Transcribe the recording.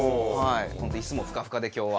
本当椅子もふかふかで今日は。